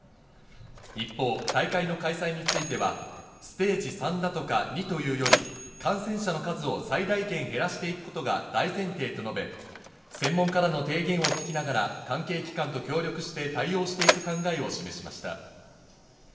一方、大会の開催についてはステージ３だとか２というより感染者の数を最大限減らしていくことが大前提と述べ、専門家らの提言を聞きながら、関係機関と協力して対応していく考えを示しました。